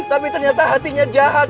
tapi ternyata hatinya jahat